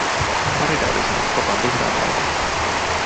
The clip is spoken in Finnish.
Farida oli saanut kopan vihdoin täyteen.